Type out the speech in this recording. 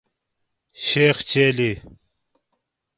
شیخ چلی